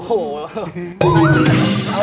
โอ้โห